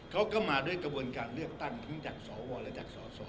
เขาก็มาด้วยกระบวนการเลือกตั้งทั้งจากสวและจากสส